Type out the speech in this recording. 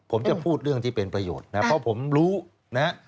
ผมจะพูดเรื่องที่เป็นประโยชน์นะเพราะผมรู้นะฮะ